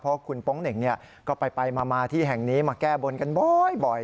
เพราะคุณโป๊งเหน่งก็ไปมาที่แห่งนี้มาแก้บนกันบ่อย